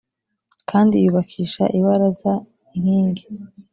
Kandi yubakisha ibaraza inking